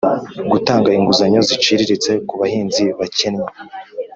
gutanga inguzanyo ziciriritse ku bahinzi bakennye